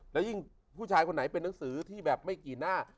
แล้วยิ่งผู้ชายคนไหนเป็นหนังสือที่แบบไม่กี่หน้า